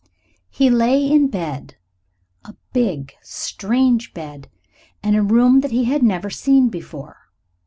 He lay in bed a big, strange bed in a room that he had never seen before.